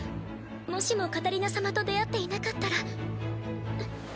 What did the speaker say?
もしもカタリナ様と出会っていなかったらんっ